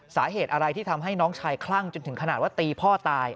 สาเหตุอะไรที่ทำให้น้องชายคลั่งจนถึงขนาดว่าตีพ่อตาย